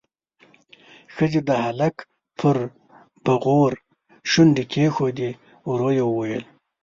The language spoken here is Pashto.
ښځې د هلک پر بغور شونډې کېښودې، ورو يې وويل: